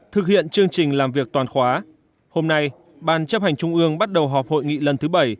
thực hiện chương trình làm việc toàn khóa hôm nay ban chấp hành trung ương bắt đầu họp hội nghị lần thứ bảy